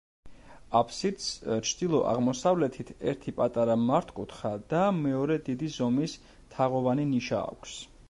აფსიდს ჩრდილო-აღმოსავლეთით ერთი პატარა მართკუთხა და მეორე დიდი ზომის თაღოვანი ნიშა აქვს.